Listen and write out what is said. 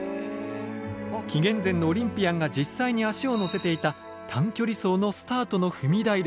紀元前のオリンピアンが実際に足をのせていた短距離走のスタートの踏み台です。